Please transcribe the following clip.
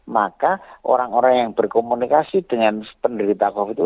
maka orang orang yang berkomunikasi dengan penderita covid itu